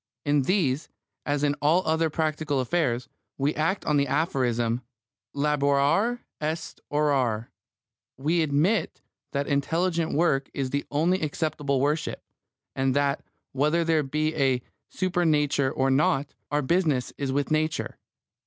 In these, as in all other practical affairs, we act on the aphorism, Laborare est orare; we admit that intelligent work is the only acceptable worship, and that, whether there be a Supernature or not, our business is with Nature.